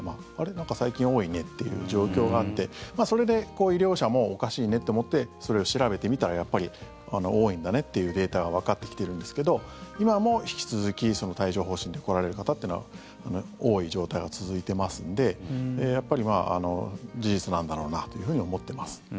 なんか最近、多いねっていう状況があってそれで、医療者もおかしいねって思ってそれを調べてみたらやっぱり多いんだねっていうデータはわかってきてるんですけど今も引き続き、帯状疱疹で来られる方っていうのは多い状態が続いてますのでやっぱり事実なんだろうなというふうに思ってます。